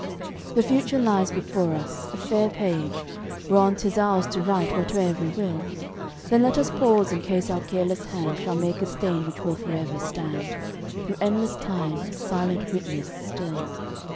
The future lies before us a fair page, Whereon 'tis ours to write whate'er we will! Then let us pause in case our careless hand Shall make a stain which will forever stand, Through endless time a silent witness still.